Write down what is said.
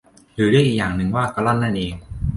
หรือเรียกอีกอย่างหนึ่งว่ากะล่อนนั่นเอง